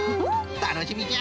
たのしみじゃ！